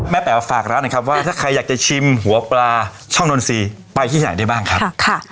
แป๋วฝากร้านนะครับว่าถ้าใครอยากจะชิมหัวปลาช่องนนทรีย์ไปที่ไหนได้บ้างครับ